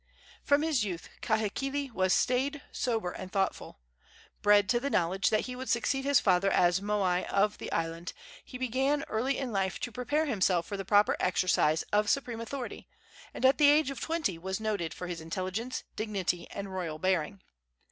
From his youth Kahekili was staid, sober and thoughtful. Bred to the knowledge that he would succeed his father as moi of the island, he began early in life to prepare himself for the proper exercise of supreme authority, and at the age of twenty was noted for his intelligence, dignity and royal bearing.